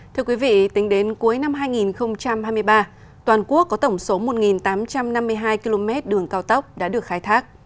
thưa quý vị tính đến cuối năm hai nghìn hai mươi ba toàn quốc có tổng số một tám trăm năm mươi hai km đường cao tốc đã được khai thác